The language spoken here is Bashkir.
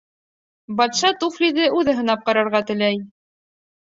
Батша туфлиҙы үҙе һынап ҡарарға теләй.